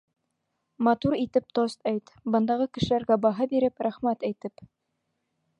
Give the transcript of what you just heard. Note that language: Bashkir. Матур итеп тост әйт: бындағы кешеләргә баһа биреп, рәхмәт әйтеп.